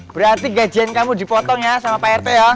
berarti gajian kamu dipotong ya sama pak rt ya